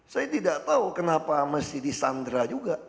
saya tidak tahu kenapa mesti di sandera juga